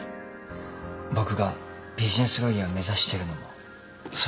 僕がビジネスロイヤー目指してるのもそのためで。